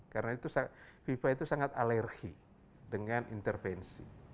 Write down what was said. karena itu fifa itu sangat alergi dengan intervensi